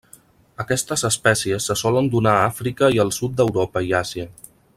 Aquestes espècies se solen donar a Àfrica i el sud d'Europa i Àsia.